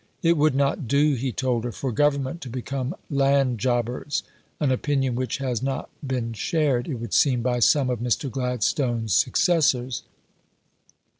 "It would not do," he told her, "for Government to become land jobbers" an opinion which has not been shared, it would seem, by some of Mr. Gladstone's successors.